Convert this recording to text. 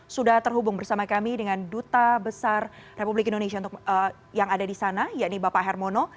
sudah terhubung bersama kami dengan duta besar republik indonesia yang ada di sana yakni bapak hermono